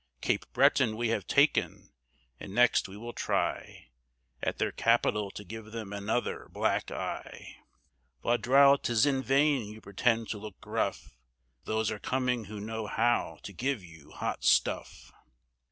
Cape Breton we have taken, and next we will try At their capital to give them another black eye. Vaudreuil, 'tis in vain you pretend to look gruff, Those are coming who know how to give you Hot Stuff.